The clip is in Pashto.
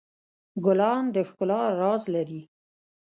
ګلان د ښکلا راز لري.